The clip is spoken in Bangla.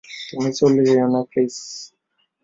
তুমি চলে যেও না, প্লিজ।